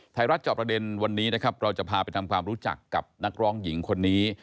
จอบประเด็นวันนี้นะครับเราจะพาไปทำความรู้จักกับนักร้องหญิงคนนี้